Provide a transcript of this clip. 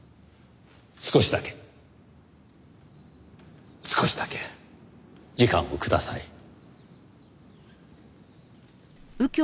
少しだけ少しだけ時間をください。